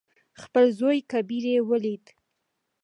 خپل زوى کبير يې ولېد.